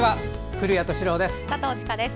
古谷敏郎です。